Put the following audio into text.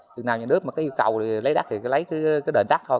chừng nào nhà nước mà có yêu cầu lấy đất thì lấy cái đền đất thôi